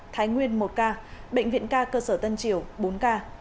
thái nguyên một ca bệnh viện ca cơ sở tân triều bốn ca